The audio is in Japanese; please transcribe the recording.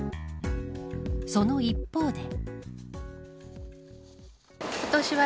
その一方で。